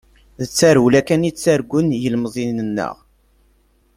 D tarewla kan i ttargun yilemẓiyen-nneɣ.